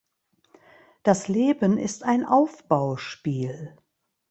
Das Leben ist ein Aufbauspiel.